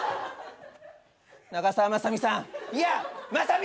長澤まさみさんいやまさみ！